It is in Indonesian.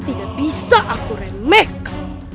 tidak bisa aku remehkan